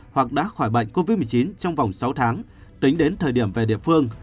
hoặc đã khỏi bệnh covid một mươi chín trong vòng sáu tháng tính đến thời điểm về địa phương